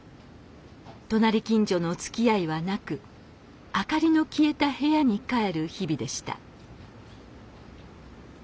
隣近所のつきあいはなく明かりの消えた部屋に帰る日々でした。